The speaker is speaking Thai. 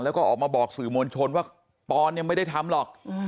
แล้วก็ออกมาบอกสื่อมวลชนว่าปอนยังไม่ได้ทำหรอก